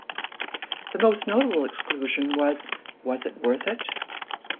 The most notable exclusion was Was It Worth It?